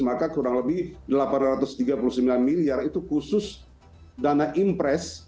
maka kurang lebih delapan ratus tiga puluh sembilan miliar itu khusus dana impres